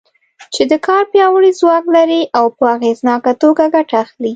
چې د کار پیاوړی ځواک لري او په اغېزناکه توګه ګټه اخلي.